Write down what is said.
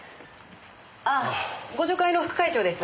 ああ互助会の副会長です。